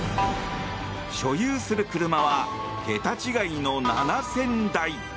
所有する車は桁違いの７０００台。